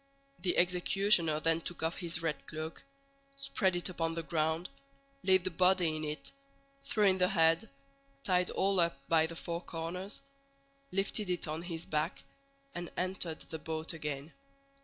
The executioner then took off his red cloak, spread it upon the ground, laid the body in it, threw in the head, tied all up by the four corners, lifted it on his back, and entered the boat again.